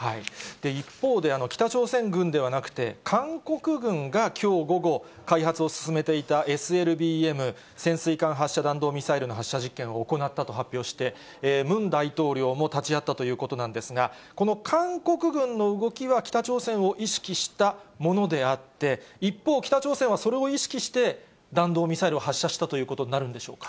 一方で、北朝鮮軍ではなくて、韓国軍がきょう午後、開発を進めていたＳＬＢＭ・潜水艦発射弾道ミサイルの発射実験を行ったと発表して、ムン大統領も立ち会ったということなんですが、この韓国軍の動きは、北朝鮮を意識したものであって、一方、北朝鮮はそれを意識して、弾道ミサイルを発射したということになるんでしょうか？